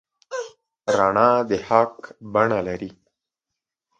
رڼا د حق بڼه لري.